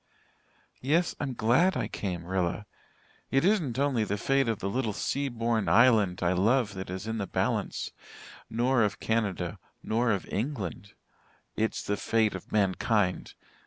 Yes, I'm glad I came, Rilla. It isn't only the fate of the little sea born island I love that is in the balance nor of Canada nor of England. It's the fate of mankind.